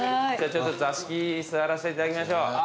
じゃあちょっと座敷座らせていただきましょう。